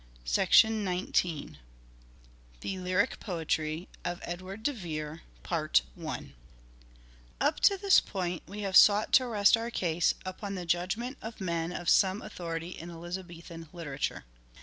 CHAPTER VIII THE LYRIC POETRY OF EDWARD DE VERE UP to this point we have sought to rest our case upon the judgment of men of some authority in Elizabethan literature.